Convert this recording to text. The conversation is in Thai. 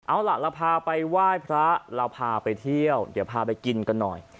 เอาล่ะเราพาไปไหว้พระเราพาไปเที่ยวเดี๋ยวพาไปกินกันหน่อย